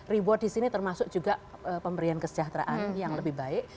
reward di sini termasuk juga pemberian kesejahteraan yang lebih baik